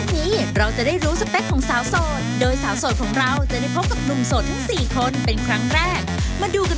ทุกคนจะถุ่มใจสาวสดของเราขนาดไหน